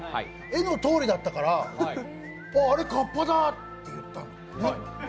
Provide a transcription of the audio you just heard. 絵のとおりだったからあれ、かっぱだって言ったの。